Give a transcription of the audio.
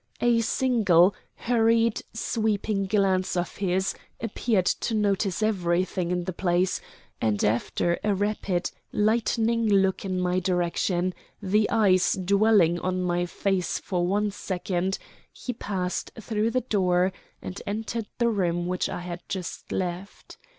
A single, hurried, sweeping glance of his appeared to notice everything in the place, and after a rapid, lightning look in my direction, the eyes dwelling on my face for one second, he passed through the door and entered the room which I had just left.